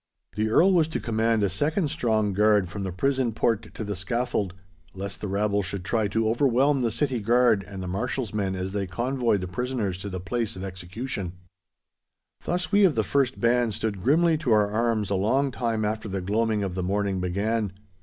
The Earl was to command a second strong guard from the prison port to the scaffold, lest the rabble should try to overwhelm the City Guard and the marshal's men as they convoyed the prisoners to the place of execution. Thus we of the first band stood grimly to our arms a long time after the gloaming of the morning began.